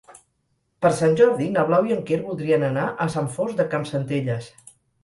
Per Sant Jordi na Blau i en Quer voldrien anar a Sant Fost de Campsentelles.